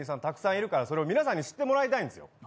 たくさんいるからそれを皆さんに知ってもらいたいんですよ。